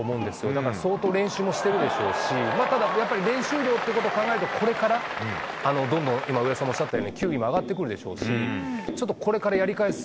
だから、相当練習もしているだろうし、ただやっぱり、練習量ということを考えると、これから、どんどん、今、上田さんもおっしゃったように、球威も上がってくるでしょうし、ちょっとこれからやり返す